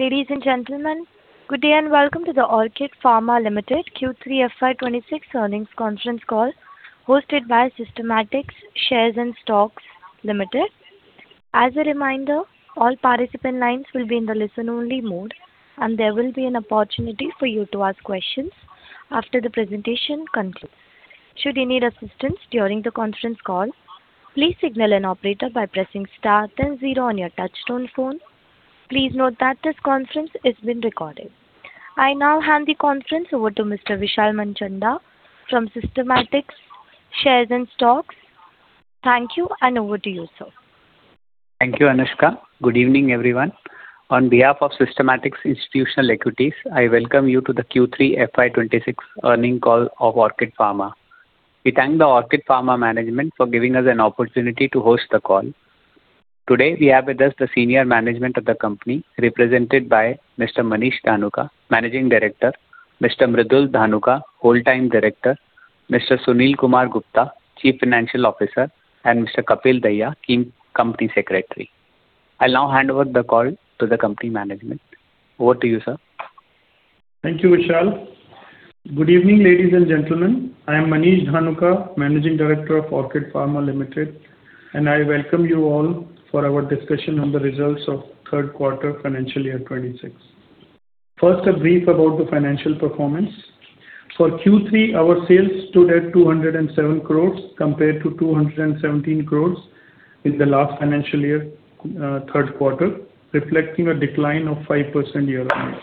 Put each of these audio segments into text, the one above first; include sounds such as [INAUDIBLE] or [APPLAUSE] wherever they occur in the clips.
Ladies and gentlemen, good day and welcome to the Orchid Pharma Limited Q3 FY26 earnings conference call, hosted by Systematix Shares and Stocks (India) Limited. As a reminder, all participant lines will be in the listen-only mode, and there will be an opportunity for you to ask questions after the presentation concludes. Should you need assistance during the conference call, please signal an operator by pressing star then zero on your touchtone phone. Please note that this conference is being recorded. I now hand the conference over to Mr. Vishal Manchanda from Systematix Shares and Stocks (India) Limited. Thank you, and over to you, sir. Thank you, Anushka. Good evening, everyone. On behalf of Systematix Institutional Equities, I welcome you to the Q3 FY26 earnings call of Orchid Pharma. We thank the Orchid Pharma management for giving us an opportunity to host the call. Today, we have with us the senior management of the company, represented by Mr. Manish Dhanuka, Managing Director, Mr. Mridul Dhanuka, Whole-Time Director, Mr. Sunil Kumar Gupta, Chief Financial Officer, and Mr. Kapil Dayya, Company Secretary. I'll now hand over the call to the company management. Over to you, sir. Thank you, Vishal. Good evening, ladies and gentlemen. I am Manish Dhanuka, Managing Director of Orchid Pharma Limited, and I welcome you all for our discussion on the results of third quarter financial year 2026. First, a brief about the financial performance. For Q3, our sales stood at 207 crores, compared to 217 crores in the last financial year, third quarter, reflecting a decline of 5% year-on-year.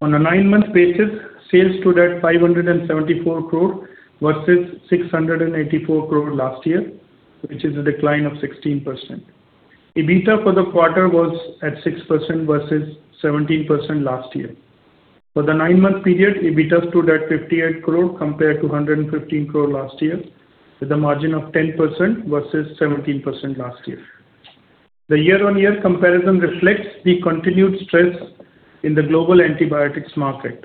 On a nine-month basis, sales stood at 574 crore, versus 684 crore last year, which is a decline of 16%. EBITDA for the quarter was at 6% versus 17% last year. For the nine-month period, EBITDA stood at 58 crore compared to 115 crore last year, with a margin of 10% versus 17% last year. The year-on-year comparison reflects the continued stress in the global antibiotics market.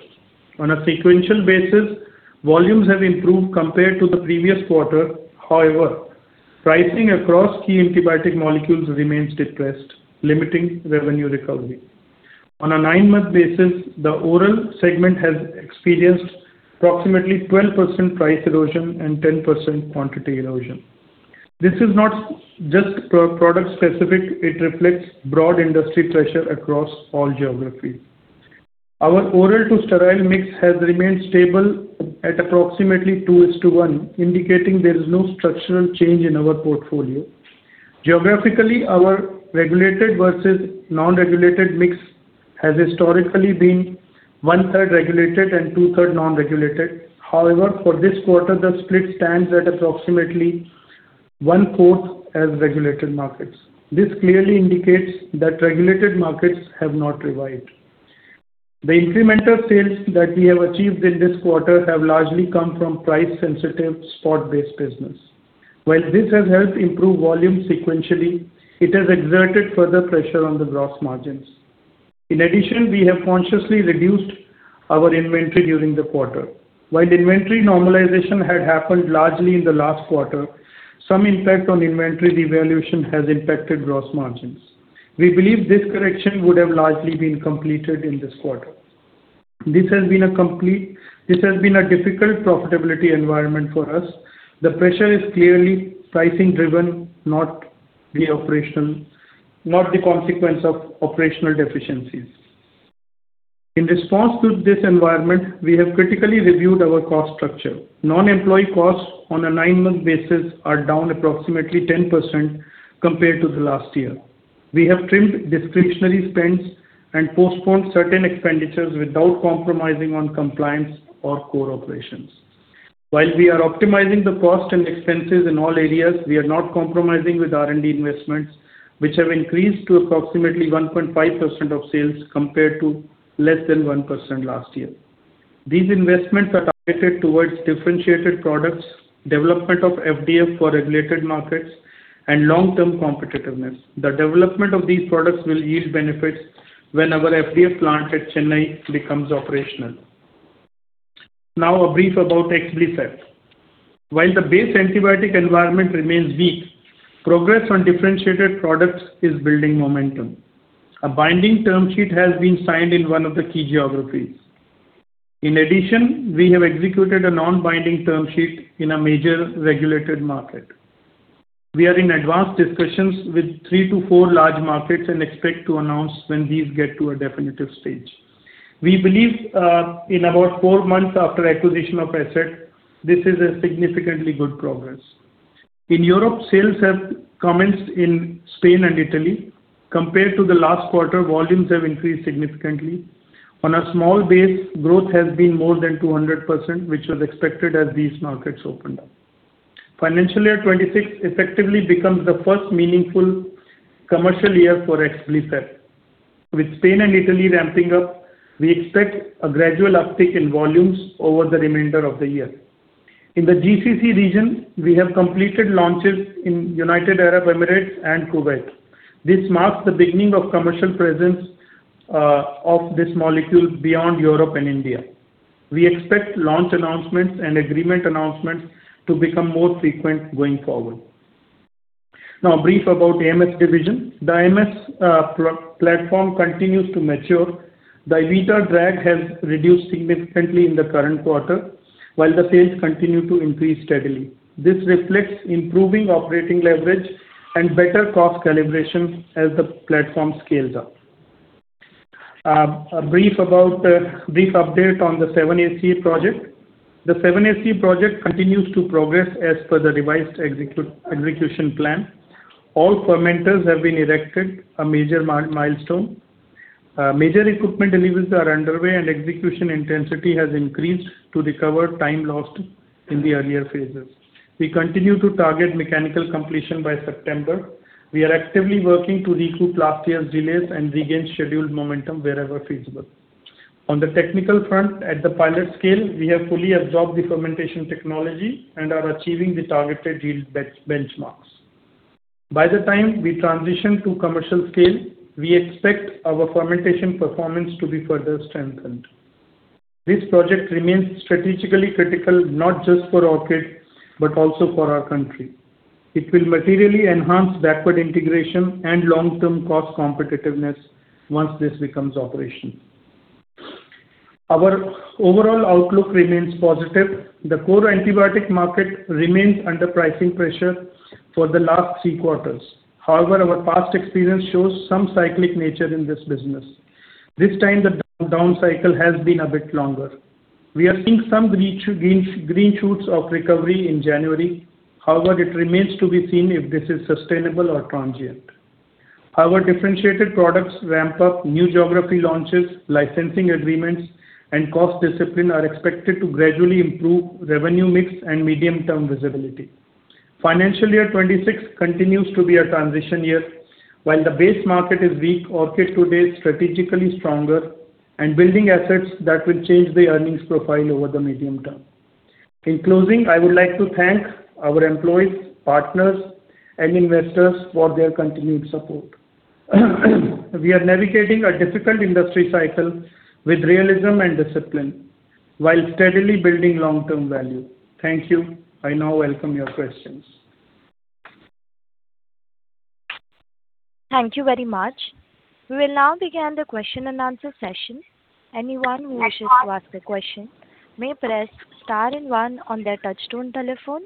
On a sequential basis, volumes have improved compared to the previous quarter. However, pricing across key antibiotic molecules remains depressed, limiting revenue recovery. On a nine-month basis, the oral segment has experienced approximately 12% price erosion and 10% quantity erosion. This is not just product-specific, it reflects broad industry pressure across all geographies. Our oral to sterile mix has remained stable at approximately 2:1, indicating there is no structural change in our portfolio. Geographically, our regulated versus non-regulated mix has historically been one-third regulated and two-thirds non-regulated. However, for this quarter, the split stands at approximately one-fourth regulated markets. This clearly indicates that regulated markets have not revived. The incremental sales that we have achieved in this quarter have largely come from price-sensitive, spot-based business. While this has helped improve volume sequentially, it has exerted further pressure on the gross margins. In addition, we have consciously reduced our inventory during the quarter. While inventory normalization had happened largely in the last quarter, some impact on inventory devaluation has impacted gross margins. We believe this correction would have largely been completed in this quarter. This has been a difficult profitability environment for us. The pressure is clearly pricing driven, not the operation, not the consequence of operational deficiencies. In response to this environment, we have critically reviewed our cost structure. Non-employee costs on a nine-month basis are down approximately 10% compared to the last year. We have trimmed discretionary spends and postponed certain expenditures without compromising on compliance or core operations. While we are optimizing the cost and expenses in all areas, we are not compromising with R&D investments, which have increased to approximately 1.5% of sales, compared to less than 1% last year. These investments are targeted towards differentiated products, development of FDF for regulated markets, and long-term competitiveness. The development of these products will yield benefits when our FDA plant at Chennai becomes operational. Now, a brief about Exblifep. While the base antibiotic environment remains weak, progress on differentiated products is building momentum. A binding term sheet has been signed in one of the key geographies. In addition, we have executed a non-binding term sheet in a major regulated market. We are in advanced discussions with three to four large markets and expect to announce when these get to a definitive stage. We believe, in about four months after acquisition of asset, this is a significantly good progress. In Europe, sales have commenced in Spain and Italy. Compared to the last quarter, volumes have increased significantly. On a small base, growth has been more than 200%, which was expected as these markets opened up. Financial year 2026 effectively becomes the first meaningful commercial year for Exblifep. With Spain and Italy ramping up, we expect a gradual uptick in volumes over the remainder of the year. In the GCC region, we have completed launches in United Arab Emirates and Kuwait. This marks the beginning of commercial presence, of this molecule beyond Europe and India. We expect launch announcements and agreement announcements to become more frequent going forward. Now, a brief about AMS division. The AMS platform continues to mature. The EBITDA drag has reduced significantly in the current quarter, while the sales continue to increase steadily. This reflects improving operating leverage and better cost calibration as the platform scales up. A brief update on the 7-ACA project. The 7-ACA project continues to progress as per the revised execution plan. All fermenters have been erected, a major milestone. Major equipment deliveries are underway, and execution intensity has increased to recover time lost in the earlier phases. We continue to target mechanical completion by September. We are actively working to recoup last year's delays and regain scheduled momentum wherever feasible. On the technical front, at the pilot scale, we have fully absorbed the fermentation technology and are achieving the targeted yield benchmarks. By the time we transition to commercial scale, we expect our fermentation performance to be further strengthened. This project remains strategically critical, not just for Orchid, but also for our country. It will materially enhance backward integration and long-term cost competitiveness once this becomes operational. Our overall outlook remains positive. The core antibiotic market remains under pricing pressure for the last three quarters. However, our past experience shows some cyclic nature in this business. This time, the down, down cycle has been a bit longer. We are seeing some green shoots of recovery in January. However, it remains to be seen if this is sustainable or transient. Our differentiated products ramp up, new geography launches, licensing agreements, and cost discipline are expected to gradually improve revenue mix and medium-term visibility. Financial year 2026 continues to be a transition year. While the base market is weak, Orchid today is strategically stronger and building assets that will change the earnings profile over the medium term. In closing, I would like to thank our employees, partners, and investors for their continued support. We are navigating a difficult industry cycle with realism and discipline, while steadily building long-term value. Thank you. I now welcome your questions. Thank you very much. We will now begin the question and answer session. Anyone who wishes to ask a question may press star and one on their touch-tone telephone.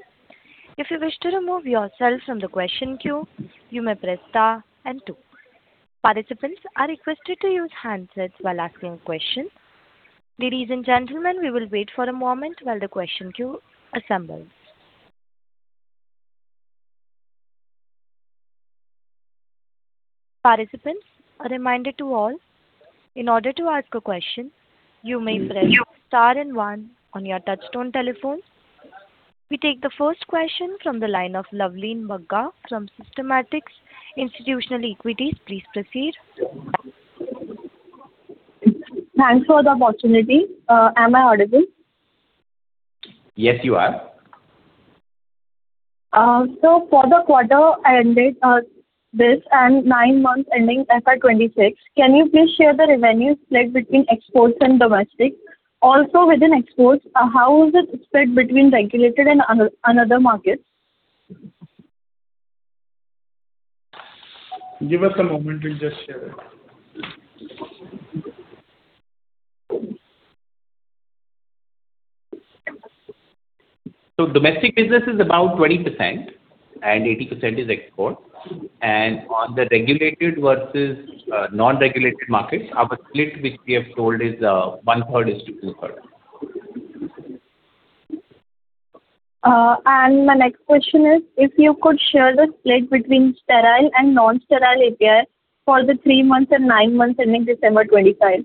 If you wish to remove yourself from the question queue, you may press star and two. Participants are requested to use handsets while asking questions. Ladies and gentlemen, we will wait for a moment while the question queue assembles. Participants, a reminder to all, in order to ask a question, you may press star and one on their touch-tone telephone. We take the first question from the line of Loveleen Bagga from Systematix Institutional Equities. Please proceed. Thanks for the opportunity. Am I audible? Yes, you are. So for the quarter ended this and nine months ending FY 2026, can you please share the revenue split between exports and domestic? Also, within exports, how is it split between regulated and another markets? Give us a moment, we'll just share it. Domestic business is about 20%, and 80% is export. On the regulated versus non-regulated markets, our split, which we have told, is 1/3 to two-thirds. And my next question is, if you could share the split between sterile and non-sterile API for the three months and nine months ending December 2025?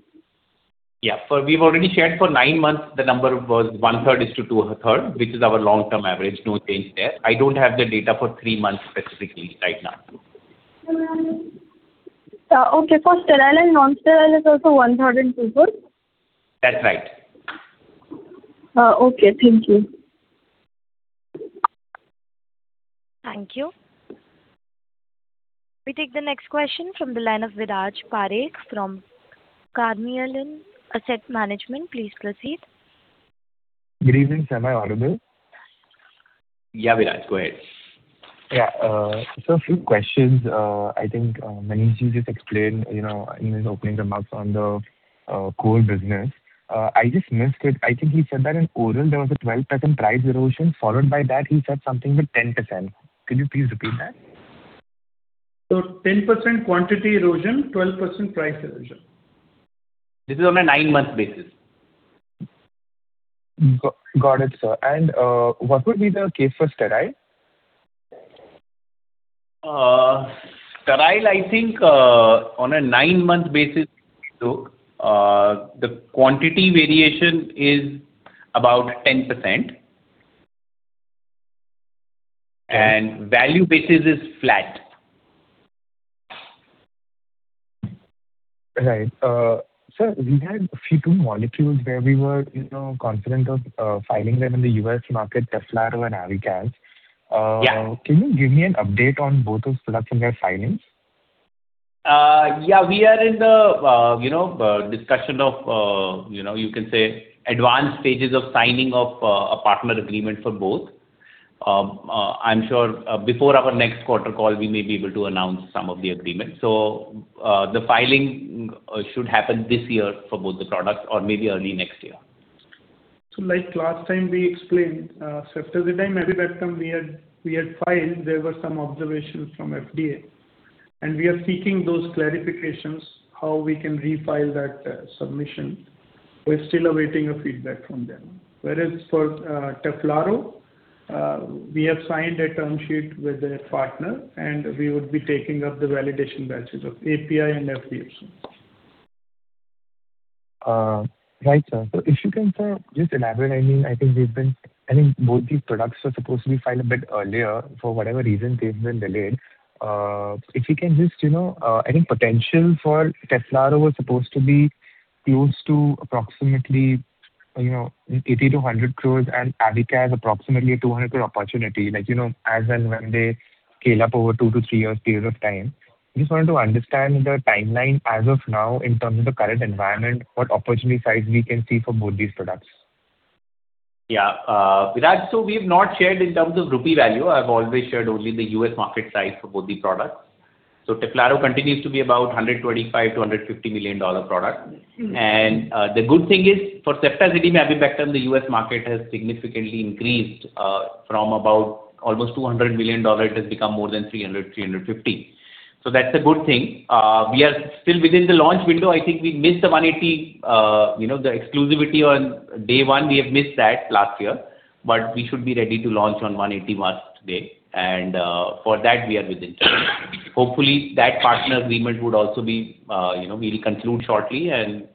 Yeah. We've already shared for nine months, the number was one-third to two-thirds, which is our long-term average. No change there. I don't have the data for three months specifically right now. Okay. For sterile and non-sterile, it's also 1/3 and 2/3? That's right. Okay. Thank you. Thank you. We take the next question from the line of Viraj Parekh from Carnelian Asset Management. Please proceed. Good evening. Am I audible? Yeah, Viraj, go ahead. Yeah, so a few questions. I think Manish just explained, you know, in his opening remarks on the core business. I just missed it. I think he said that in oral, there was a 12% price erosion, followed by that he said something with 10%. Could you please repeat that? 10% quantity erosion, 12% price erosion. This is on a nine-month basis. Got it, sir. And what would be the case for sterile? Sterile, I think, on a nine-month basis, so, the quantity variation is about 10% and value basis is flat. Right. Sir, we had a few two molecules where we were, you know, confident of filing them in the U.S. market, Teflaro and Avibactam. Yeah. Can you give me an update on both those products and their filings? Yeah, we are in the, you know, discussion of, you know, you can say advanced stages of signing of, a partner agreement for both. I'm sure, before our next quarter call, we may be able to announce some of the agreements. So, the filing should happen this year for both the products, or maybe early next year. So like last time we explained, Ceftazidime, Avibactam, we had, we had filed, there were some observations from FDA, and we are seeking those clarifications, how we can refile that submission. We're still awaiting a feedback from them. Whereas for Teflaro, we have signed a term sheet with a partner, and we would be taking up the validation batches of API and APs. Right, sir. So if you can, sir, just elaborate, I mean, I think both these products were supposed to be filed a bit earlier. For whatever reason, they've been delayed. If you can just, you know, I think potential for Teflaro was supposed to be close to approximately, you know, 80-100 crore, and Avibactam has approximately a 200 crore opportunity, like, you know, as and when they scale up over two to three years period of time. Just wanted to understand the timeline as of now, in terms of the current environment, what opportunity size we can see for both these products? Yeah, with that, so we've not shared in terms of rupee value. I've always shared only the U.S. market size for both the products. So Teflaro continues to be about $125 million-$150 million dollar product. Mm-hmm. The good thing is for Ceftazidime, Avibactam, the U.S. market has significantly increased, from about almost $200 million, it has become more than $350 million. So that's a good thing. We are still within the launch window. I think we missed the 180, you know, the exclusivity on day one, we have missed that last year, but we should be ready to launch on 180 days today, and, for that, we are within track. Hopefully, that partner agreement would also be, you know, we'll conclude shortly and,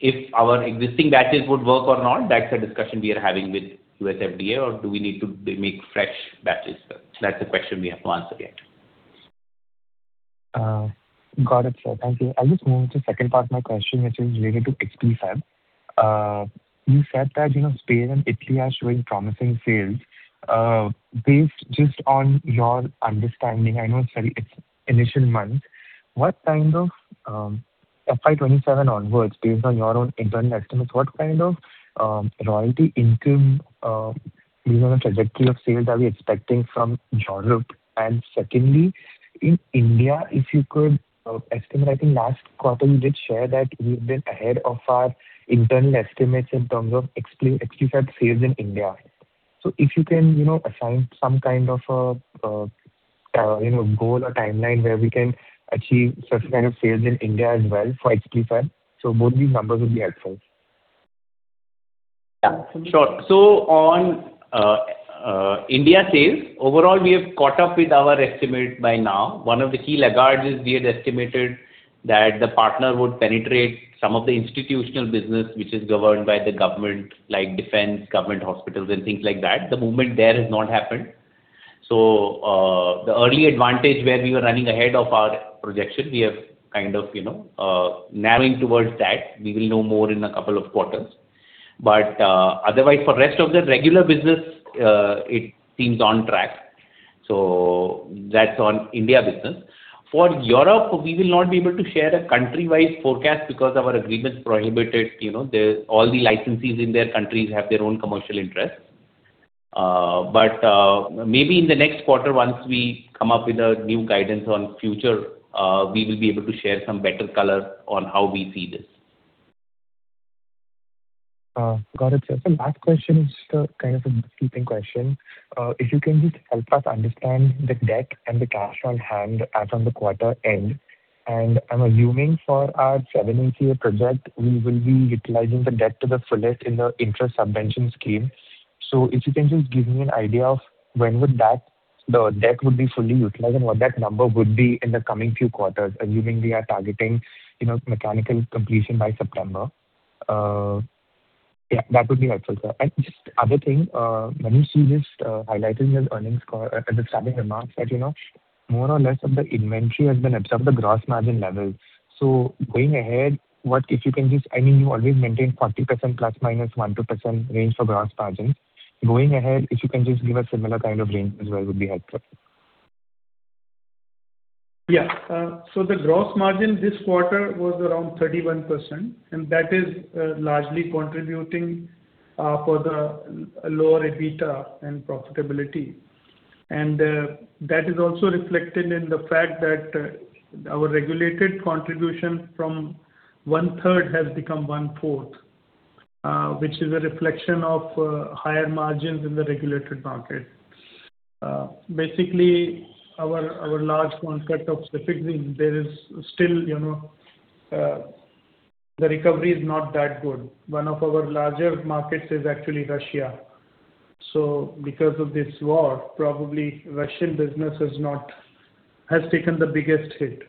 if our existing batches would work or not, that's a discussion we are having with U.S. FDA or do we need to re-make fresh batches? That's a question we have to answer yet. Got it, sir. Thank you. I'll just move on to the second part of my question, which is related to Exblifep. You said that, you know, Spain and Italy are showing promising sales. Based just on your understanding, I know it's very, it's initial months, what kind of FY 2027 onwards, based on your own internal estimates, what kind of royalty income based on the trajectory of sales, are we expecting from Europe? And secondly, in India, if you could estimate, I think last quarter you did share that we've been ahead of our internal estimates in terms of Exblifep sales in India. So if you can, you know, assign some kind of a, you know, goal or timeline where we can achieve certain kind of sales in India as well for Exblifep. So both these numbers would be helpful. Yeah, sure. So on India sales, overall we have caught up with our estimate by now. One of the key laggards is we had estimated that the partner would penetrate some of the institutional business, which is governed by the government, like defense, government, hospitals and things like that. The movement there has not happened. So, the early advantage where we were running ahead of our projection, we have kind of, you know, narrowing towards that. We will know more in a couple of quarters, but, otherwise, for rest of the regular business, it seems on track. So that's on India business. For Europe, we will not be able to share a country-wide forecast because our agreements prohibited, you know, the, all the licensees in their countries have their own commercial interests. Maybe in the next quarter, once we come up with a new guidance on future, we will be able to share some better color on how we see this. Got it, sir. The last question is kind of a repeating question. If you can just help us understand the debt and the cash on hand as on the quarter end. And I'm assuming for our 7-ACA project, we will be utilizing the debt to the fullest in the interest subvention scheme. So if you can just give me an idea of when would that, the debt would be fully utilized and what that number would be in the coming few quarters, assuming we are targeting, you know, mechanical completion by September? Yeah, that would be helpful, sir. And just other thing, Manish just highlighted in your earnings call at the starting remarks that, you know, more or less of the inventory has been absorbed, the gross margin levels. So going ahead, what... If you can just, I mean, you always maintain 40% ± 1%-2% range for gross margin. Going ahead, if you can just give a similar kind of range as well, would be helpful. Yeah. So the gross margin this quarter was around 31%, and that is largely contributing for the lower EBITDA and profitability. That is also reflected in the fact that our regulated contribution from 1/3 has become 1/4, which is a reflection of higher margins in the regulated market. Basically, our large contract of specific thing, there is still, you know, the recovery is not that good. One of our larger markets is actually Russia. So because of this war, probably Russian business is not... has taken the biggest hit.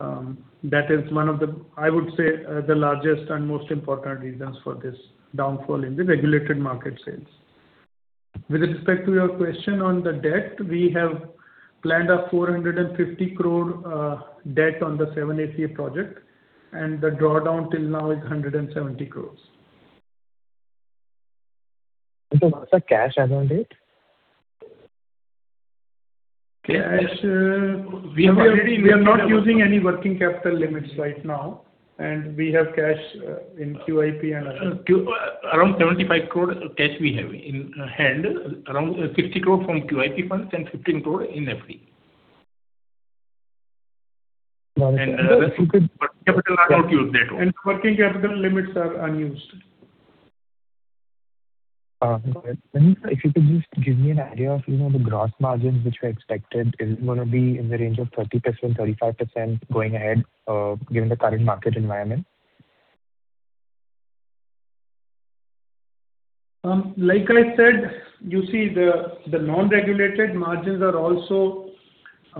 That is one of the, I would say, the largest and most important reasons for this downfall in the regulated market sales. With respect to your question on the debt, we have planned a 450 crore debt on the 7-ACA project, and the drawdown till now is 170 crore. Sir, what's the cash as on date? Cash, we are not using any working capital limits right now, and we have cash in QIP and other [CROSSTALK] Around 75 crore cash we have in hand, around 50 crore from QIP funds and 15 crore in FD. Got it. Working capital [CROSSTALK] are not used at all. Working capital limits are unused. If you could just give me an idea of, you know, the gross margins which are expected, is it going to be in the range of 30%-35% going ahead, given the current market environment? Like I said, you see the non-regulated margins are also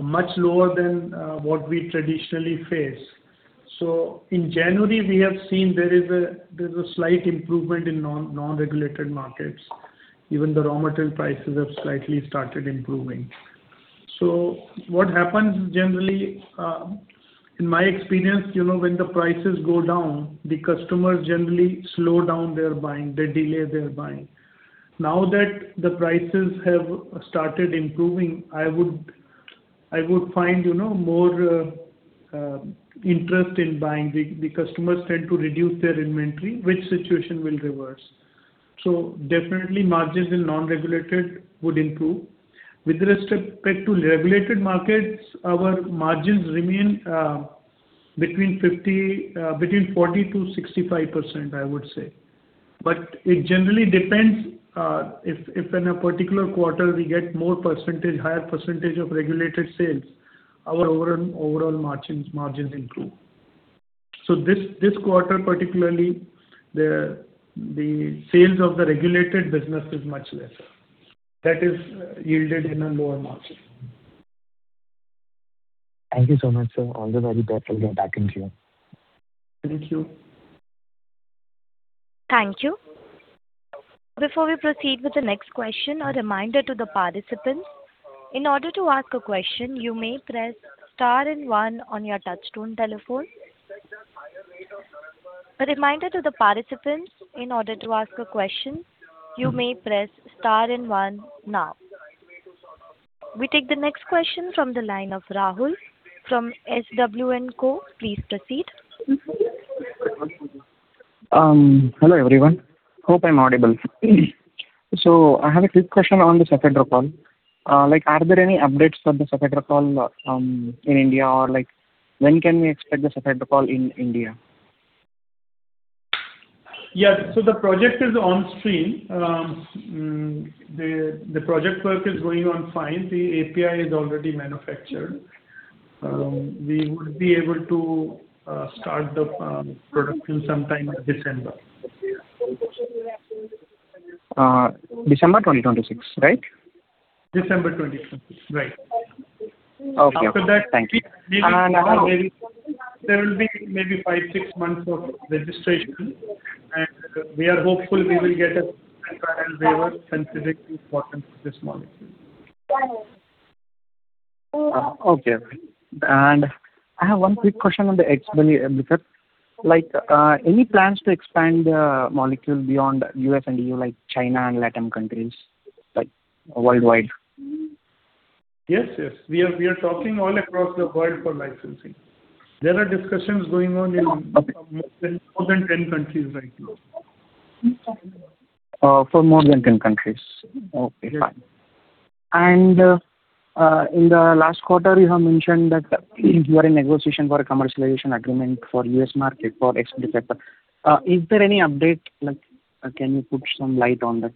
much lower than what we traditionally face. So in January, we have seen there is a slight improvement in non-regulated markets. Even the raw material prices have slightly started improving. So what happens generally, in my experience, you know, when the prices go down, the customers generally slow down their buying, they delay their buying. Now that the prices have started improving, I would find, you know, more interest in buying. The customers tend to reduce their inventory, which situation will reverse. So definitely margins in non-regulated would improve. With respect to regulated markets, our margins remain between 40%-65%, I would say. But it generally depends, if in a particular quarter we get more percentage, higher percentage of regulated sales, our overall margins improve. So this quarter particularly, the sales of the regulated business is much lesser. That is yielded in a lower margin. Thank you so much, sir. All the very best. I'll get back in queue. Thank you. Thank you. Before we proceed with the next question, a reminder to the participants. In order to ask a question, you may press star and one on your touchtone telephone. A reminder to the participants, in order to ask a question, you may press star and one now. We take the next question from the line of Rahul from SWN Co. Please proceed. Hello, everyone. Hope I'm audible. So I have a quick question on the cefiderocol. Like, are there any updates on the cefiderocol in India, or like, when can we expect the cefiderocol in India? Yes. So the project is on stream. The project work is going on fine. The API is already manufactured. We would be able to start the production sometime in December. December 20, 2026, right? December 2026, right. Okay [CROSSTALK] After that [CROSSTALK] Thank you. There will be maybe five, six months of registration, and we are hopeful we will get a concurrent waiver since it is important for this molecule. I have one quick question on the Exblifep, because, like, any plans to expand the molecule beyond U.S. and EU., like China and LATAM countries, like, worldwide? Yes, yes. We are talking all across the world for licensing. There are discussions going on in-Okay. More than 10 countries right now. For more than 10 countries. Okay, fine. Yes. In the last quarter, you have mentioned that you are in negotiation for a commercialization agreement for the U.S. market, for Exblifep. Is there any update, like, can you put some light on that?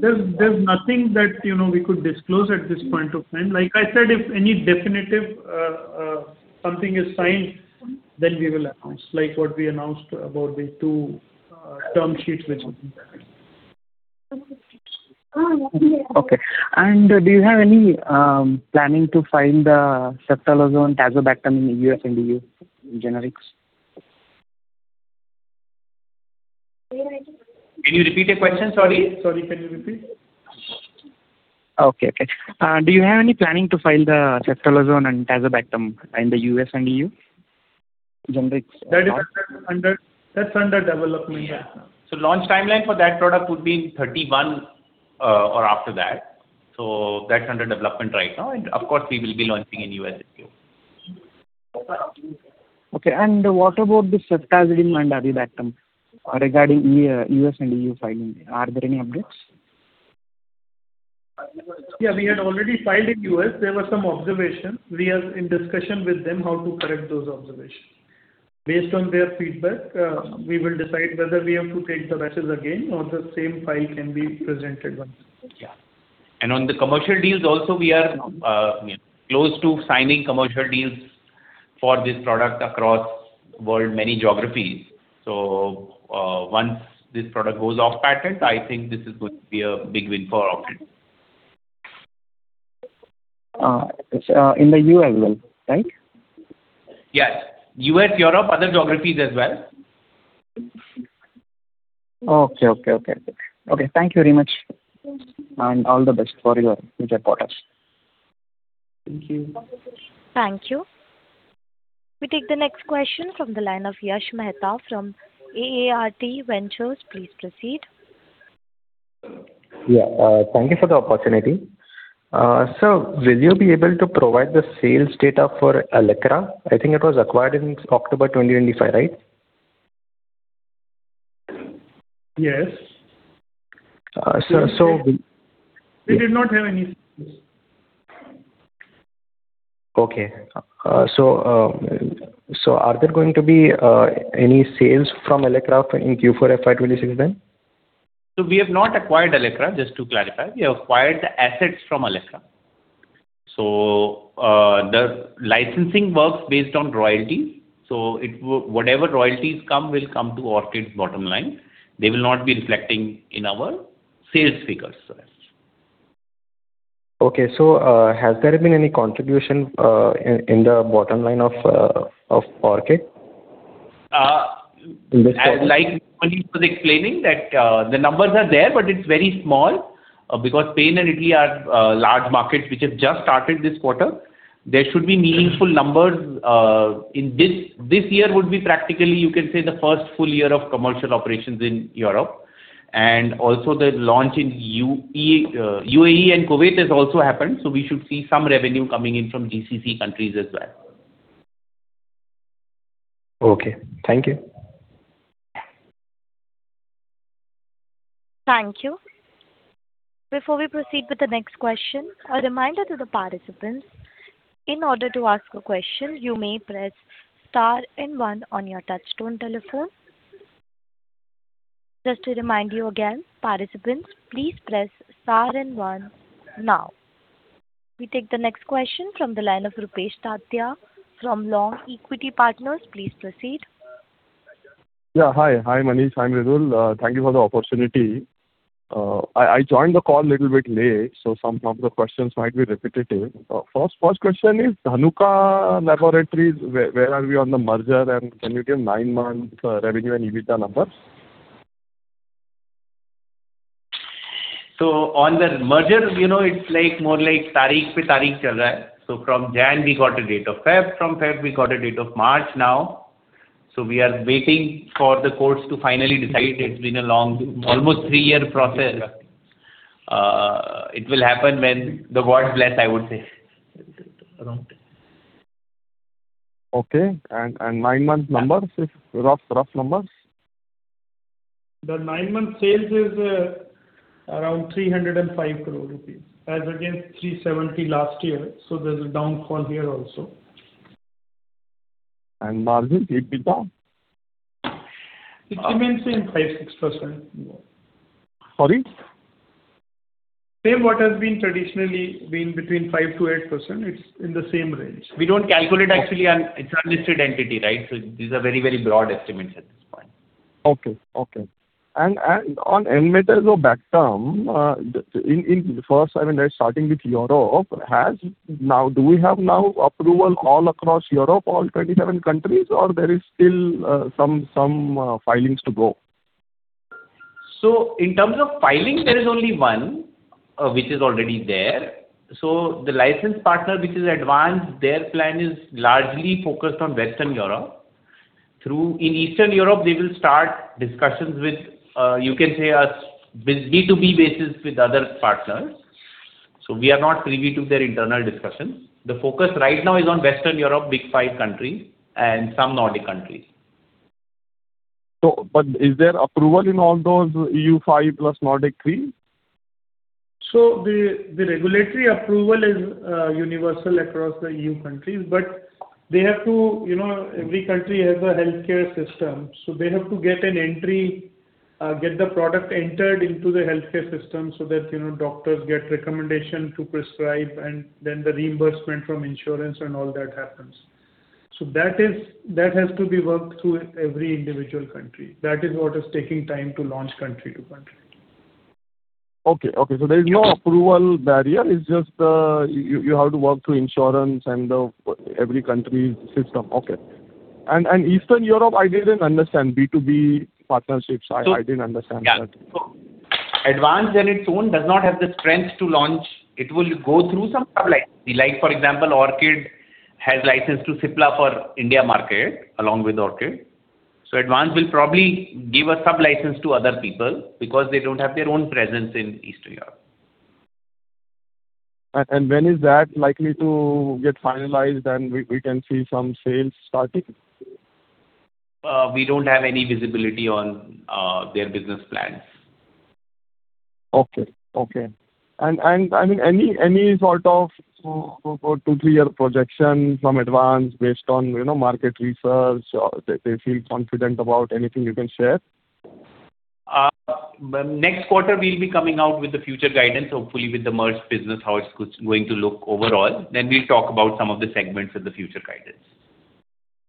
There's nothing that, you know, we could disclose at this point of time. Like I said, if any definitive something is signed, then we will announce, like what we announced about the two term sheets with Okay. Do you have any planning to file the Ceftolozane/Tazobactam in U.S. and EU generics? Can you repeat your question? Sorry, sorry, can you repeat? Okay, okay. Do you have any planning to file the Ceftolozane and Tazobactam in the U.S. and E.U. generics? That's under development, yeah. Launch timeline for that product would be 2031 or after that. That's under development right now, and of course, we will be launching in U.S. and EU. Okay. And what about the Ceftazidime and Avibactam regarding U.S. and EU filing? Are there any updates? Yeah, we had already filed in U.S. There were some observations. We are in discussion with them how to correct those observations. Based on their feedback, we will decide whether we have to take the batches again or the same file can be presented once. Yeah. And on the commercial deals also, we are close to signing commercial deals for this product across world, many geographies. So, once this product goes off patent, I think this is going to be a big win for Orchid. In the EU as well, right? Yes. U.S., Europe, other geographies as well. Okay, okay, okay. Okay, thank you very much, and all the best for your future products. Thank you. Thank you. We take the next question from the line of Yash Mehta from AART Ventures. Please proceed. Yeah, thank you for the opportunity. Will you be able to provide the sales data for Allecra? I think it was acquired in October 2025, right? Yes. So, We did not have any sales. Okay. So, are there going to be any sales from Allecra in Q4 FY 2026 then? We have not acquired Allecra, just to clarify. We acquired the assets from Allecra. The licensing works based on royalty, so whatever royalties come will come to Orchid's bottom line. They will not be reflecting in our sales figures. Okay, so, has there been any contribution in the bottom line of Orchid? As like Manish was explaining, that, the numbers are there, but it's very small, because Spain and Italy are large markets which have just started this quarter. There should be meaningful numbers in this. This year would be practically, you can say, the first full year of commercial operations in Europe and also the launch in EU, UAE, and Kuwait has also happened, so we should see some revenue coming in from GCC countries as well. Okay, thank you. Thank you. Before we proceed with the next question, a reminder to the participants, in order to ask a question, you may press star and one on your touch-tone telephone. Just to remind you again, participants, please press star and one now. We take the next question from the line of Rupesh Tatiya from Long Equity Partners. Please proceed. Yeah, hi. Hi, Manish. Hi, Mridul. Thank you for the opportunity. I joined the call a little bit late, so some of the questions might be repetitive. First question is, Dhanuka Laboratories, where are we on the merger, and can you give nine-month revenue and EBITDA numbers? So on the merger, you know, it's like more like. So from January, we got a date of February, from February, we got a date of March now. So we are waiting for the courts to finally decide. It's been a long, almost three-year process. It will happen when the God bless, I would say, around. Okay, and nine-month numbers, just rough numbers? The nine-month sales is around 305 crore rupees, as against 370 crore last year, so there's a downfall here also. Margin, EBITDA? It remains in 5%-6%. Sorry? Same what has been traditionally been between 5%-8%. It's in the same range. We don't calculate actually, and it's an unlisted entity, right? So these are very, very broad estimates at this point. Okay, okay. And on enmetazobactam, I mean, starting with Europe, has now... Do we have now approval all across Europe, all 37 countries, or there is still some filings to go? In terms of filings, there is only one, which is already there. So the license partner, which is ADVANZ, their plan is largely focused on Western Europe. In Eastern Europe, they will start discussions with, you can say, a B2B basis with other partners. So we are not privy to their internal discussions. The focus right now is on Western Europe, big five country and some Nordic countries. Is there approval in all those EU five plus Nordic countries? So the regulatory approval is universal across the EU countries, but they have to, you know, every country has a healthcare system, so they have to get an entry, get the product entered into the healthcare system so that, you know, doctors get recommendation to prescribe and then the reimbursement from insurance and all that happens. So that is, that has to be worked through every individual country. That is what is taking time to launch country to country. Okay, okay. So there is no approval barrier, it's just you have to work through insurance and the every country's system. Okay. And Eastern Europe, I didn't understand B2B partnerships. I didn't understand that. Yeah. So ADVANZ on its own does not have the strength to launch. It will go through some sub-licensing. Like, for example, Orchid has licensed to Cipla for India market, along with Orchid. So ADVANZ will probably give a sub-license to other people because they don't have their own presence in Eastern Europe. When is that likely to get finalized, and we can see some sales starting? We don't have any visibility on their business plans. Okay, okay. And, I mean, any sort of two, three year projection from ADVANZ based on, you know, market research or they feel confident about anything you can share? Next quarter, we'll be coming out with the future guidance, hopefully with the merged business, how it's going to look overall. Then we'll talk about some of the segments in the future guidance.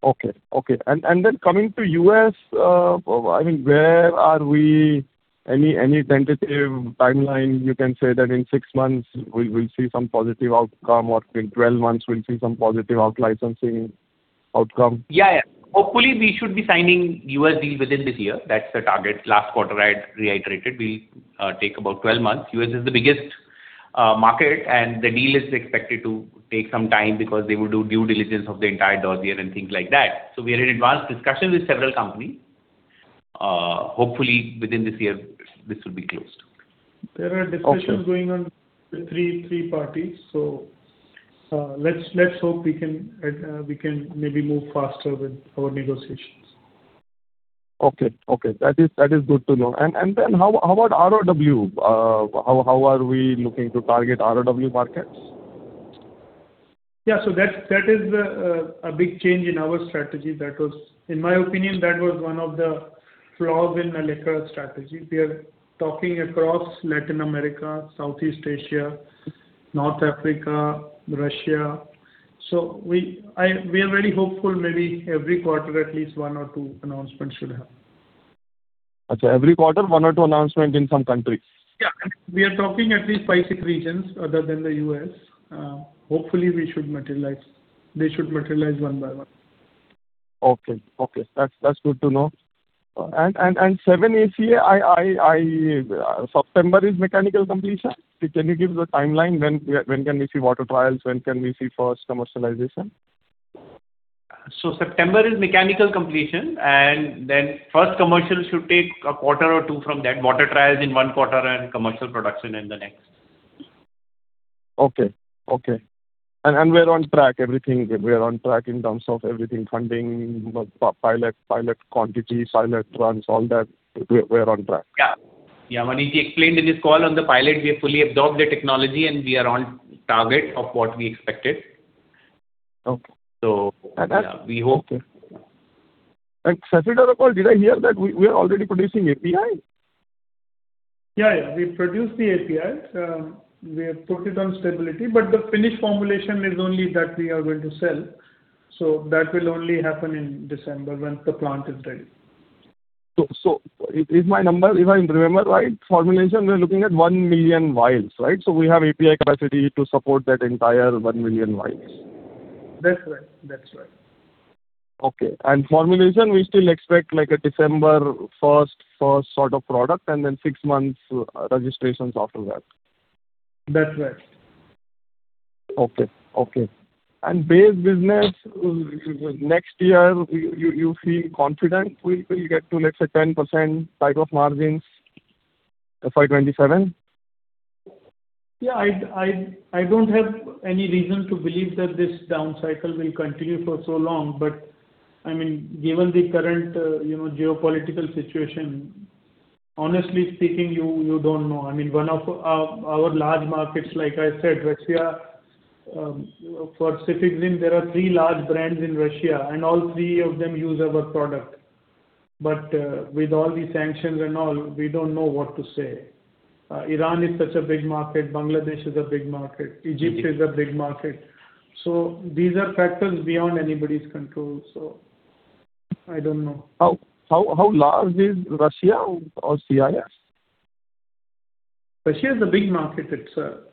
Okay, okay. And then coming to U.S., I mean, where are we? Any tentative timeline you can say that in six months we'll see some positive outcome or in 12 months we'll see some positive out-licensing outcome? Yeah, yeah. Hopefully, we should be signing U.S. deal within this year. That's the target. Last quarter, I'd reiterated we take about 12 months. U.S. is the biggest market, and the deal is expected to take some time because they will do due diligence of the entire dossier and things like that. So we are in advanced discussions with several companies. Hopefully within this year, this will be closed. There are discussions [CROSSTALK] Okay. Going on with three, three parties, so, let's, let's hope we can, we can maybe move faster with our negotiations. Okay, okay. That is, that is good to know. And, and then how, how about ROW? How, how are we looking to target ROW markets? Yeah. So that is a big change in our strategy. That was... In my opinion, that was one of the flaws in the Allecra strategy. We are talking across Latin America, Southeast Asia, North Africa, Russia. So we, I, we are very hopeful, maybe every quarter, at least one or two announcements should have. Okay, every quarter, one or two announcement in some countries? Yeah. We are talking at least five, six regions other than the U.S. Hopefully, we should materialize, they should materialize one by one. Okay. Okay, that's good to know. And 7-ACA, September is mechanical completion? Can you give the timeline, when can we see water trials? When can we see first commercialization? September is mechanical completion, and then first commercial should take a quarter or two from that. Water trials in one quarter and commercial production in the next. Okay, okay. And we're on track in terms of everything, funding, pilot quantity, pilot runs, all that. We're on track? Yeah. Yeah, Manish, he explained in this call on the pilot, we have fully absorbed the technology, and we are on target of what we expected. Okay. So, we hope- Okay. Cefiderocol, did I hear that we are already producing API? Yeah, yeah, we produce the APIs. We have put it on stability, but the finished formulation is only that we are going to sell, so that will only happen in December when the plant is ready. So, if I remember right, formulation, we are looking at 1,000,000 vials, right? So we have API capacity to support that entire 1,000,000 vials. That's right, that's right. Okay. And formulation, we still expect like a December first for sort of product, and then six months, registrations after that? That's right. Okay, okay. And base business, next year, you feel confident we will get to, let's say, 10% type of margins, FY 2027? Yeah, I don't have any reason to believe that this down cycle will continue for so long. But, I mean, given the current, you know, geopolitical situation, honestly speaking, you don't know. I mean, one of our large markets, like I said, Russia, for cefiderocol, there are three large brands in Russia, and all three of them use our product. But, with all the sanctions and all, we don't know what to say. Iran is such a big market, Bangladesh is a big market. Egypt is a big market. So these are factors beyond anybody's control, so I don't know. How large is Russia or CIS? Russia is a big market.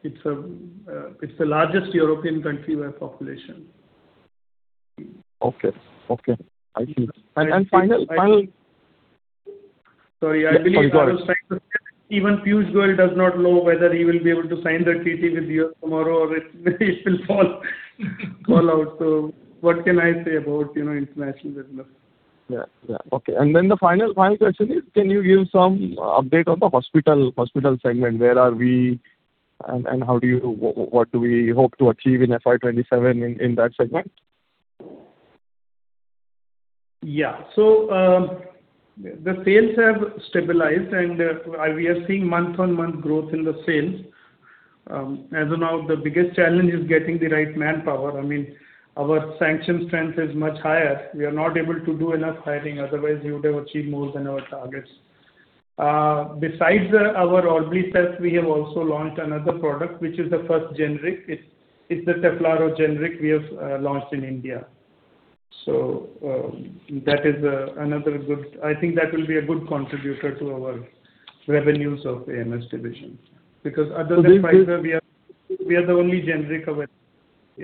It's the largest European country by population. Okay, okay. I see. I see. And final. Sorry, I believe even Piyush Goyal does not know whether he will be able to sign the treaty with you tomorrow or it will fall out. So what can I say about, you know, international business? Yeah, yeah. Okay. And then the final question is, can you give some update on the hospital segment? Where are we, and how do you... What do we hope to achieve in FY 2027 in that segment? Yeah. So, the sales have stabilized, and, we are seeing month-on-month growth in the sales. As of now, the biggest challenge is getting the right manpower. I mean, our sanction strength is much higher. We are not able to do enough hiring, otherwise, we would have achieved more than our targets. Besides, our Orbicef, we have also launched another product, which is the first generic. It's the Teflaro generic we have launched in India. So, that is another good... I think that will be a good contributor to our revenues of AMS division. Because other than Pfizer [CROSSTALK] So this is. We are the only generic available.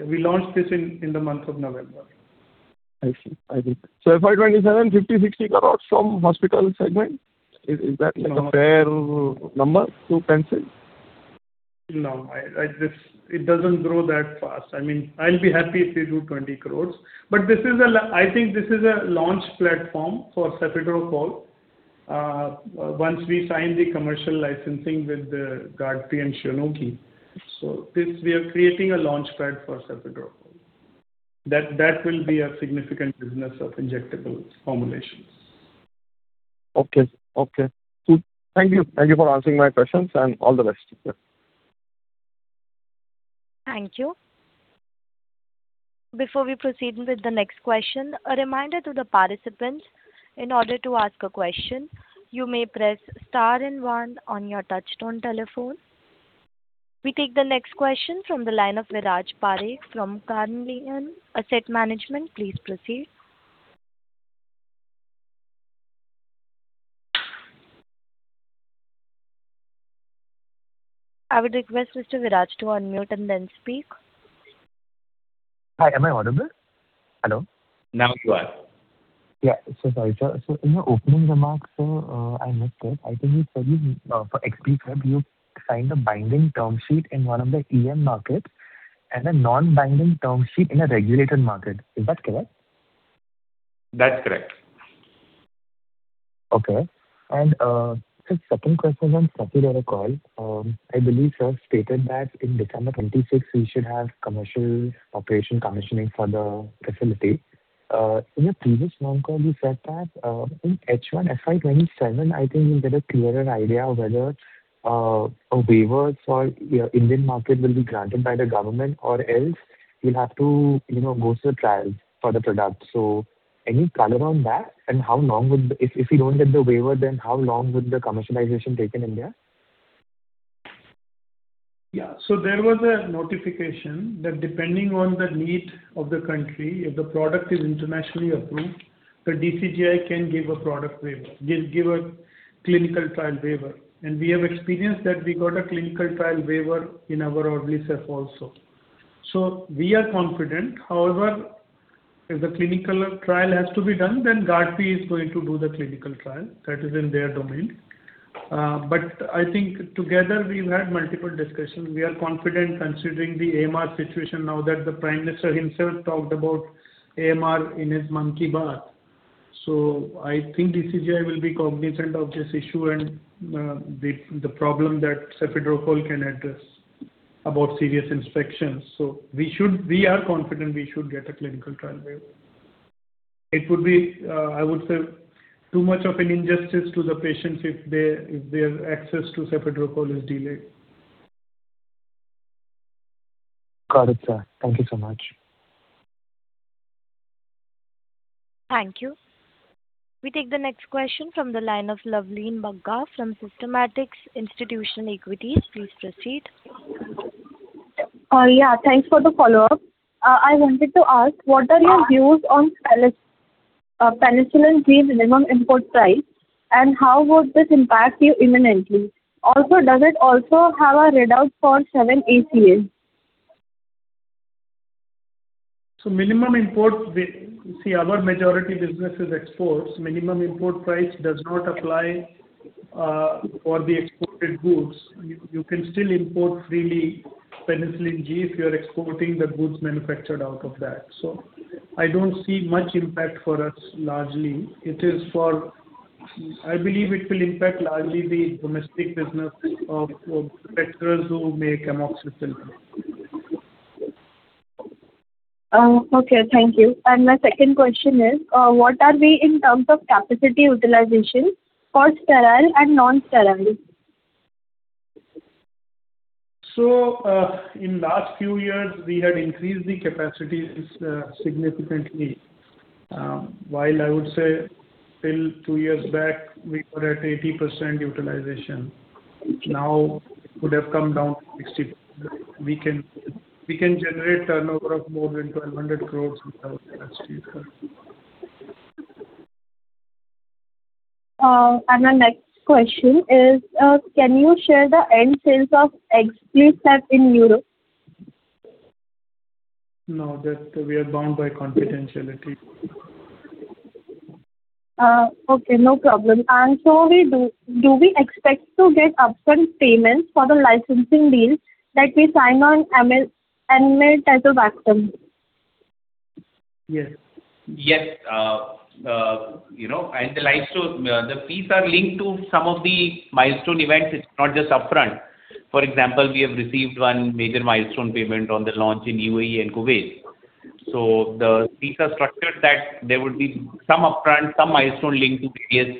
We launched this in the month of November. I see. I see. So FY 2027, 50-60 crores from hospital segment, is, is that like a fair number to pencil? No, it doesn't grow that fast. I mean, I'll be happy if we do 20 crores. But this is a launch platform for cefiderocol. Once we sign the commercial licensing with GARDP and Shionogi. So, we are creating a launchpad for cefiderocol. That will be a significant business of injectables formulations. Okay, okay. Thank you. Thank you for answering my questions, and all the best. Thank you. Before we proceed with the next question, a reminder to the participants, in order to ask a question, you may press star and one on your touchtone telephone. We take the next question from the line of Viraj Parekh from Carnelian Asset Management. Please proceed. I would request Mr. Viraj to unmute and then speak. Hi, am I audible? Hello. Now you are. Yeah. So sorry, sir. So in your opening remarks, sir, I missed it. I think you said you, for Exblifep, you signed a binding term sheet in one of the EM markets and a non-binding term sheet in a regulated market. Is that correct? That's correct. Okay. And, the second question is on cefiderocol. I believe sir stated that in December 2026, we should have commercial operation commissioning for the facility. In your previous phone call, you said that, in H1 FY 2027, I think we'll get a clearer idea of whether a waiver for your Indian market will be granted by the government, or else you'll have to, you know, go through the trial for the product. So any color on that? And how long would If you don't get the waiver, then how long would the commercialization take in India? Yeah. So there was a notification that depending on the need of the country, if the product is internationally approved, the DCGI can give a product waiver, give, give a clinical trial waiver. And we have experienced that we got a clinical trial waiver in our Orblicef also. So we are confident. However, if the clinical trial has to be done, then GARDP is going to do the clinical trial. That is in their domain. But I think together, we've had multiple discussions. We are confident, considering the AMR situation now, that the Prime Minister himself talked about AMR in his Mann Ki Baat. So I think DCGI will be cognizant of this issue and the problem that cefiderocol can address about serious infections. So we should—we are confident we should get a clinical trial waiver. It would be, I would say, too much of an injustice to the patients if their, if their access to cefiderocol is delayed. Got it, sir. Thank you so much. Thank you. We take the next question from the line of Loveleen Bagga from Systematix Institutional Equities. Please proceed. Yeah, thanks for the follow-up. I wanted to ask, what are your views on Penicillin G minimum import price, and how would this impact you imminently? Also, does it also have a readout for 7-ACA? So minimum import. See, our majority business is exports. Minimum import price does not apply for the exported goods. You can still import freely Penicillin G if you are exporting the goods manufactured out of that. So I don't see much impact for us largely. It is for, I believe, it will impact largely the domestic business of manufacturers who make amoxicillin. Okay, thank you. And my second question is, what are we in terms of capacity utilization for sterile and non-sterile? So, in last few years, we had increased the capacities significantly. While I would say till two years back, we were at 80% utilization, now it would have come down to 60%. We can generate turnover of more than 1,200 crores without... My next question is, can you share the net sales of Exblifep in Europe? No, that we are bound by confidentiality. Okay, no problem. So do we expect to get upfront payments for the licensing deals that we sign on ML, ML title vaccine? Yes. Yes, you know, the fees are linked to some of the milestone events. It's not just upfront. For example, we have received one major milestone payment on the launch in UAE and Kuwait. So the fees are structured that there would be some upfront, some milestone linked to various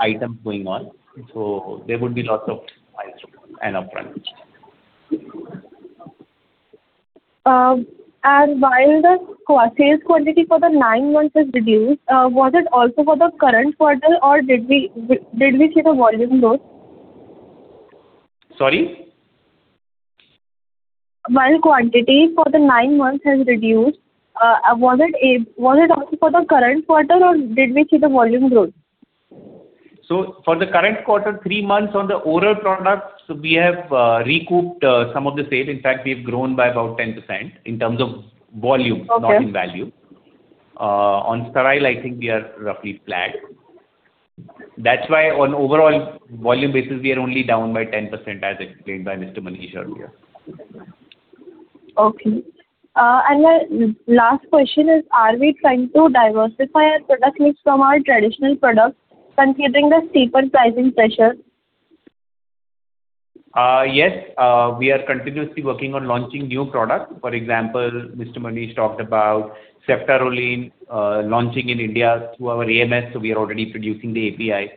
items going on. So there would be lots of milestone and upfront. And while the sales quantity for the nine months is reduced, was it also for the current quarter, or did we see the volume growth? Sorry? While quantity for the nine months has reduced, was it also for the current quarter, or did we see the volume growth? So for the current quarter, three months on the oral products, we have recouped some of the sales. In fact, we've grown by about 10% in terms of volume- Okay. -not in value. On sterile, I think we are roughly flat. That's why on overall volume basis, we are only down by 10%, as explained by Mr. Manish earlier. Okay. And my last question is, are we trying to diversify our product mix from our traditional products, considering the steeper pricing pressure? Yes, we are continuously working on launching new products. For example, Mr. Manish talked about Ceftaroline, launching in India through our AMS, so we are already producing the API.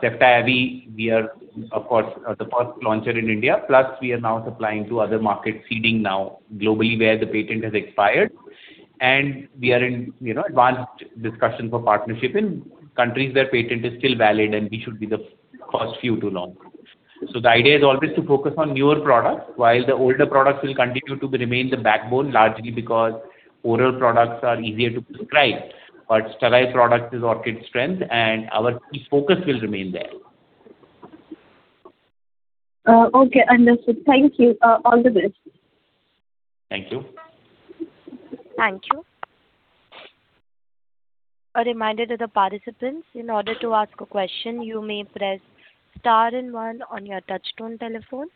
Ceftaroline, we are, of course, the first launcher in India. Plus, we are now supplying to other markets, seeding now globally, where the patent has expired. And we are in, you know, advanced discussion for partnership in countries where patent is still valid, and we should be the first few to launch. So the idea is always to focus on newer products, while the older products will continue to remain the backbone, largely because-... oral products are easier to prescribe, but sterile products is Orchid's strength, and our key focus will remain there. Okay, understood. Thank you. All the best. Thank you. Thank you. A reminder to the participants, in order to ask a question, you may press star and one on your touchtone telephone.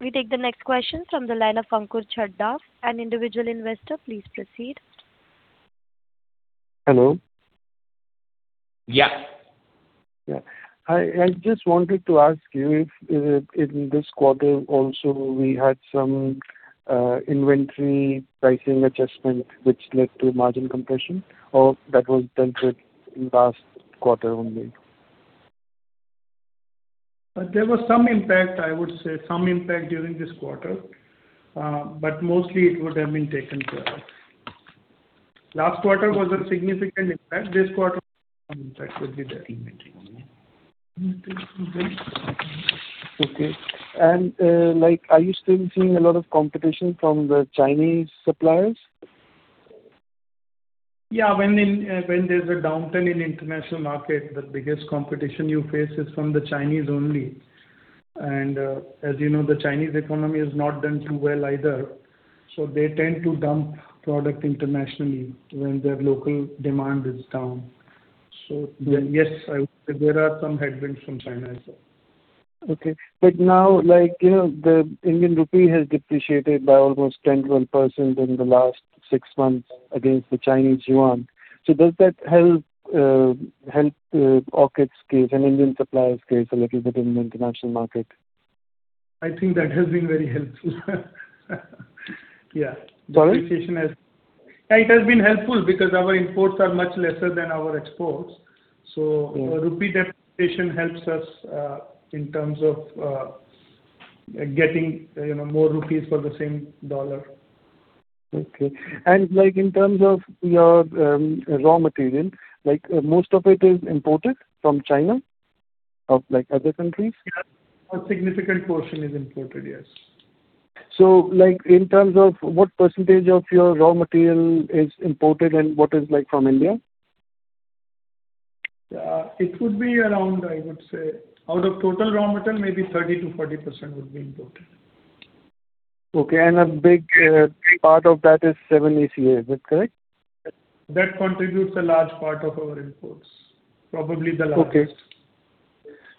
We take the next question from the line of Ankur Chadda, an individual investor. Please proceed. Hello. Yeah. Yeah. I just wanted to ask you if, in this quarter also, we had some inventory pricing adjustment which led to margin compression, or that was dealt with in last quarter only? There was some impact, I would say, some impact during this quarter, but mostly it would have been taken care of. Last quarter was a significant impact. This quarter, impact would be there. Okay. And, like, are you still seeing a lot of competition from the Chinese suppliers? Yeah, when there's a downturn in international market, the biggest competition you face is from the Chinese only. And, as you know, the Chinese economy has not done too well either, so they tend to dump product internationally when their local demand is down. So yes, I would say there are some headwinds from China as well. Okay. But now, like, you know, the Indian rupee has depreciated by almost 10%-12% in the last six months against the Chinese yuan. So does that help Orchid's case and Indian suppliers case a little bit in the international market? I think that has been very helpful. Yeah. Sorry? Depreciation has... Yeah, it has been helpful because our imports are much lesser than our exports. Mm. Rupee depreciation helps us in terms of getting, you know, more rupees for the same dollar. Okay. And, like, in terms of your raw material, like, most of it is imported from China or, like, other countries? Yeah. A significant portion is imported, yes. Like, in terms of what percentage of your raw material is imported and what is, like, from India? It would be around, I would say, out of total raw material, maybe 30%-40% would be imported. Okay, and a big, big part of that is 7-ACA. Is that correct? That contributes a large part of our imports, probably the largest. Okay.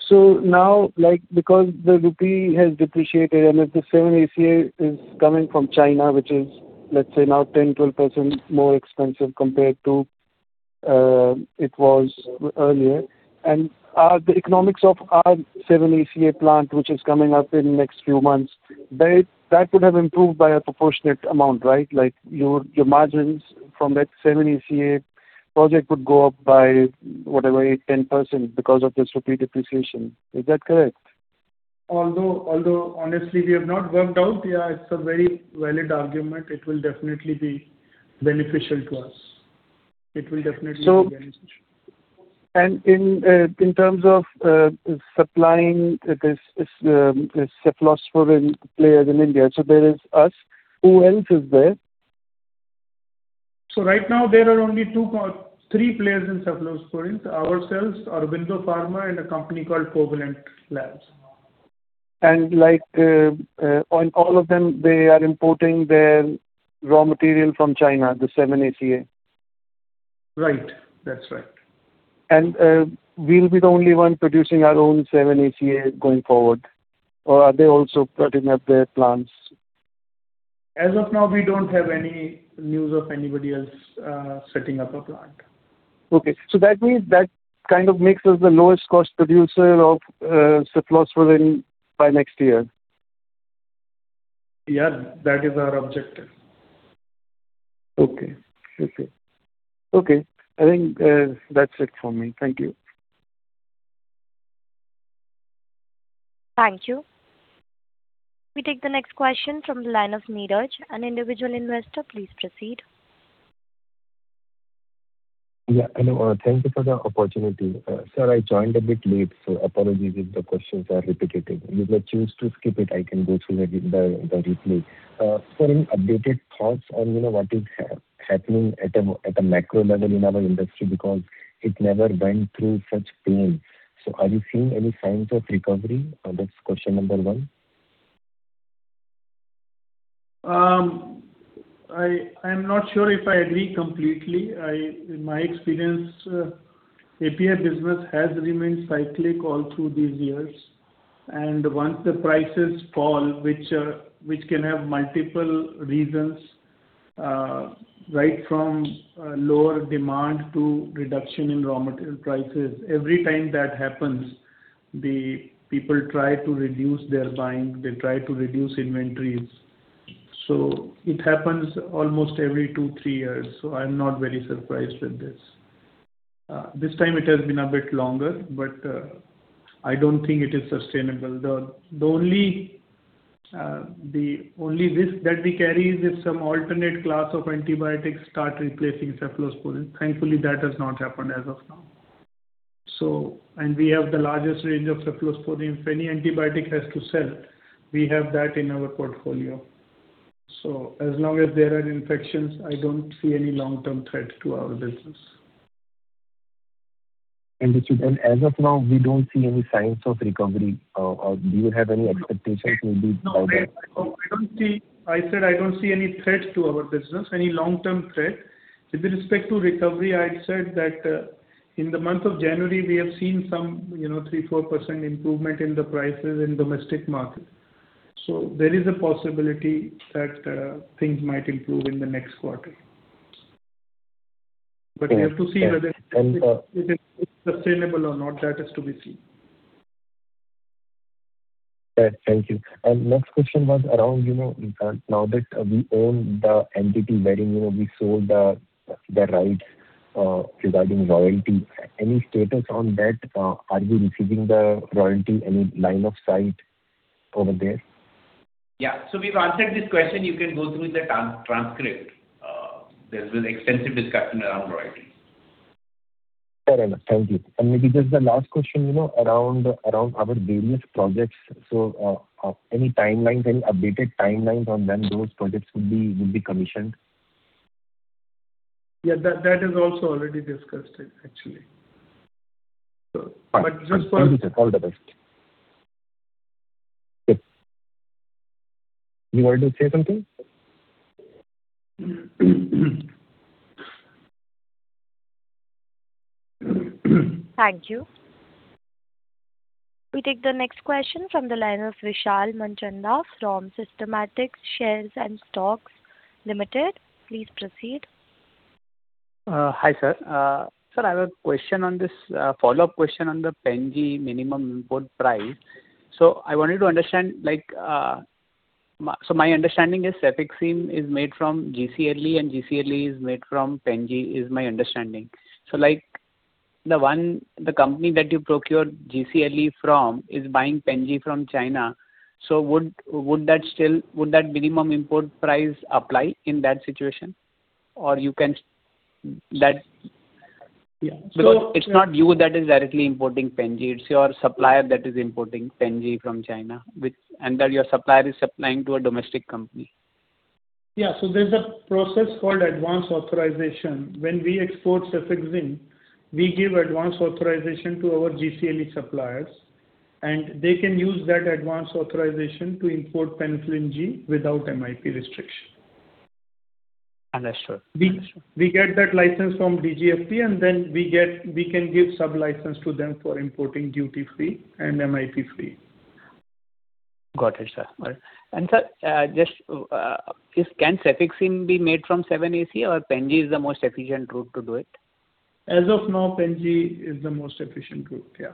So now, like, because the rupee has depreciated, and if the 7-ACA is coming from China, which is, let's say, now 10%-12% more expensive compared to it was earlier, and the economics of our 7-ACA plant, which is coming up in the next few months, that would have improved by a proportionate amount, right? Like, your margins from that 7-ACA project would go up by, whatever, 8%-10% because of this rupee depreciation. Is that correct? Although honestly, we have not worked out, yeah, it's a very valid argument. It will definitely be beneficial to us. It will definitely be beneficial. So, in terms of supplying this cephalosporin players in India, so there is us. Who else is there? So right now, there are only three players in cephalosporin: ourselves, Aurobindo Pharma, and a company called Covalent Labs. Like, on all of them, they are importing their raw material from China, the 7-ACA. Right. That's right. We'll be the only one producing our own 7-ACA going forward, or are they also putting up their plants? As of now, we don't have any news of anybody else setting up a plant. Okay. So that means that kind of makes us the lowest cost producer of cephalosporin by next year? Yeah, that is our objective. Okay. Okay. Okay, I think, that's it for me. Thank you. Thank you. We take the next question from the line of Neeraj, an individual investor. Please proceed. Yeah, hello. Thank you for the opportunity. Sir, I joined a bit late, so apologies if the questions are repetitive. You may choose to skip it. I can go through it, the replay. Sir, updated thoughts on, you know, what is happening at a macro level in our industry, because it never went through such pain. So are you seeing any signs of recovery? That's question number one. I'm not sure if I agree completely. In my experience, API business has remained cyclic all through these years, and once the prices fall, which can have multiple reasons, right from lower demand to reduction in raw material prices, every time that happens, the people try to reduce their buying, they try to reduce inventories. So it happens almost every two, three years, so I'm not very surprised with this. This time it has been a bit longer, but I don't think it is sustainable. The only risk that we carry is if some alternate class of antibiotics start replacing cephalosporin. Thankfully, that has not happened as of now. So and we have the largest range of cephalosporins. If any antibiotic has to sell, we have that in our portfolio. As long as there are infections, I don't see any long-term threat to our business. As of now, we don't see any signs of recovery, or do you have any expectations maybe about that? No, I said I don't see any threat to our business, any long-term threat. With respect to recovery, I said that, in the month of January, we have seen some, you know, 3%-4% improvement in the prices in domestic market. So there is a possibility that, things might improve in the next quarter. But we have to see whether it is sustainable or not, that is to be seen. Right. Thank you. And next question was around, you know, now that we own the entity wherein, you know, we sold the rights regarding royalty. Any status on that? Are you receiving the royalty, any line of sight over there? Yeah. So we've answered this question. You can go through the transcript. There's been extensive discussion around royalty. Fair enough. Thank you. Maybe just the last question, you know, around our various projects. So, any timelines, any updated timelines on when those projects would be commissioned? Yeah, that, that is also already discussed, actually. But just for- Thank you. All the best. You wanted to say something? Thank you. We take the next question from the line of Vishal Manchanda from Systematix Shares and Stocks Limited. Please proceed. Hi, sir. Sir, I have a question on this, follow-up question on the Pen G minimum import price. So I wanted to understand, like, So my understanding is cefixime is made from GCLE, and GCLE is made from Pen G, is my understanding. So like, the company that you procure GCLE from is buying Pen G from China. So would that minimum import price apply in that situation? Or you can, that- Yeah. Because it's not you that is directly importing Pen G, it's your supplier that is importing Pen G from China, and that your supplier is supplying to a domestic company. Yeah. So there's a process called advance authorization. When we export cefixime, we give advance authorization to our GCLE suppliers, and they can use that advance authorization to import Penicillin G without MIP restriction. Understood. We get that license from DGFT, and then we can give sub-license to them for importing duty-free and MIP-free. Got it, sir. All right. Sir, just, can cefixime be made from 7-ACA, or Pen G is the most efficient route to do it? As of now, Pen G is the most efficient route, yeah.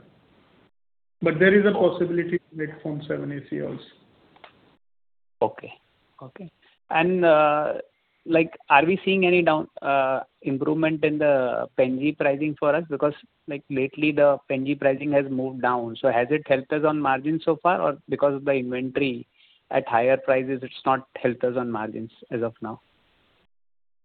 But there is a possibility to make from 7-ACA also. Okay. Okay. And, like, are we seeing any down, improvement in the Pen G pricing for us? Because, like, lately, the Pen G pricing has moved down. So has it helped us on margin so far, or because of the inventory at higher prices, it's not helped us on margins as of now?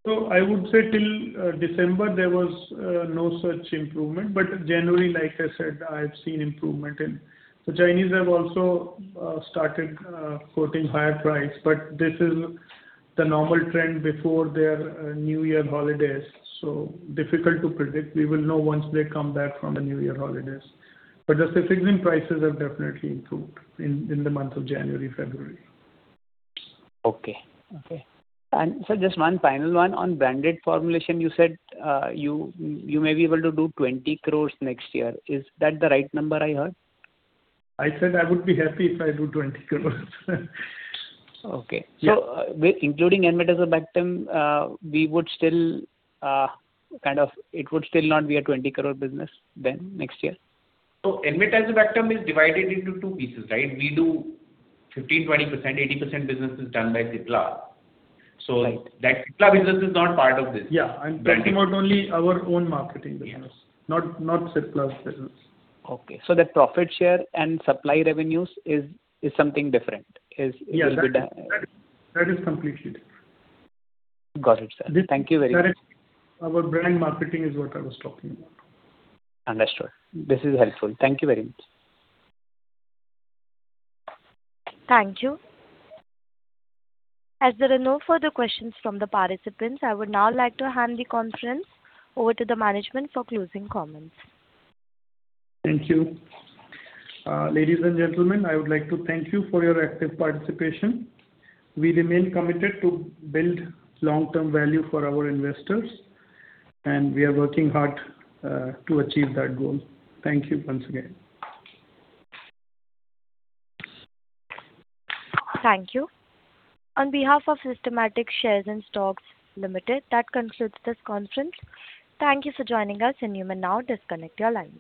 So I would say till December, there was no such improvement. But January, like I said, I've seen improvement in. The Chinese have also started quoting higher price, but this is the normal trend before their New Year holidays, so difficult to predict. We will know once they come back from the New Year holidays. But the cefixime prices have definitely improved in the month of January, February. Okay. Okay. And sir, just one final one on branded formulation. You said, you may be able to do 20 crore next year. Is that the right number I heard? I said I would be happy if I do 20 crore. Okay. Yeah. So including enmetazobactam, we would still, kind of, it would still not be an 20 crore business then next year? Enmetazobactam is divided into two pieces, right? We do 15%-20%, 80% business is done by Cipla. Right. That Cipla business is not part of this. Yeah. Branded. I'm talking about only our own marketing business not, not Cipla's business. Okay. So the profit share and supply revenues is, is something different? Is [CROSSTALK] Yes. It will be the [CROSSTALK] That is, that is completely different. Got it, sir [CROSSTALK] Thank you very much. Our brand marketing is what I was talking about. Understood. This is helpful. Thank you very much. Thank you. As there are no further questions from the participants, I would now like to hand the conference over to the management for closing comments. Thank you. Ladies and gentlemen, I would like to thank you for your active participation. We remain committed to build long-term value for our investors, and we are working hard, to achieve that goal. Thank you once again. Thank you. On behalf of Systematix Shares and Stocks Limited, that concludes this conference. Thank you for joining us, and you may now disconnect your lines.